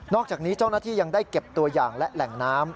อกจากนี้เจ้าหน้าที่ยังได้เก็บตัวอย่างและแหล่งน้ำ